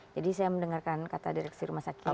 saya mendengarkan kata direksi rumah sakit